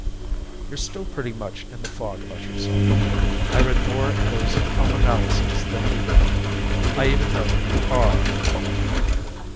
"You're still pretty much in the fog about yourself. I read more in those comanalyses than you did. I even know who you are!"